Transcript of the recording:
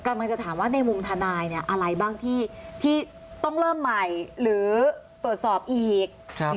กำลังจะถามว่าในมุมทนายเนี่ยอะไรบ้างที่ต้องเริ่มใหม่หรือตรวจสอบอีก